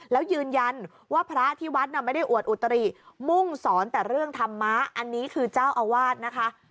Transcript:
แล้วยืนยันว่าพระที่วัดน่ะไม่ได้อวดอุตริมุ่งสอนแต่เรื่องธรรมะอันนี้คือเจ้าอาวาสนะคะ